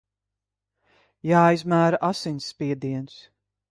Jāizmēra asinsspiediens!